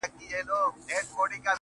یوه کیسه نه لرم، ګراني د هیچا زوی نه یم